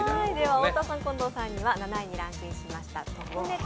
太田さん、近藤さんには７位にランクインした特ネタ